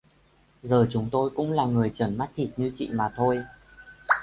giờ chúng tôi cũng là người trần mắt thịt như chị mà thôi